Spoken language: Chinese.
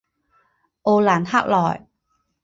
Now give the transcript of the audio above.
奥兰克莱。